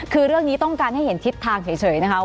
คือเรื่องนี้ต้องการให้เห็นทิศทางเฉยนะคะ